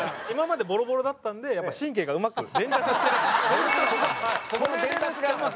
今までボロボロだったのでやっぱ神経がうまく伝達してない。